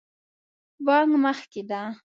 بانک مخکې ده